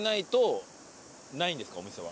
お店は。